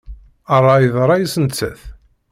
Ṛṛay d ṛṛay-is nettat.